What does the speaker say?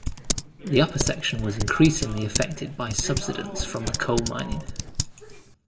The upper section was increasingly affected by subsidence from the coal mining.